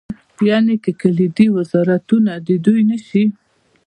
یعنې که کلیدي وزارتونه د دوی نه شي.